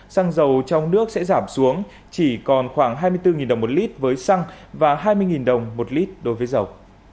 xăng dầu trong nước sẽ giảm xuống chỉ còn khoảng hai mươi bốn đồng một lít với xăng và hai mươi đồng một lít đối với dầu